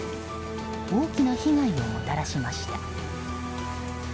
大きな被害をもたらしました。